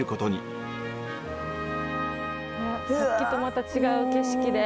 さっきとまた違う景色で。